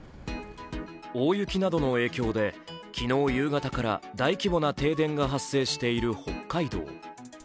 大雪などの影響で昨日夕方から大規模な停電が発生している北海道。